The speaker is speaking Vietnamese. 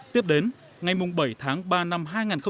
tiếp đến ngày bảy tháng ba năm hai nghìn một mươi bảy